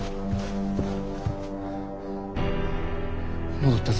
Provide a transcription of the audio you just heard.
戻ったぞ！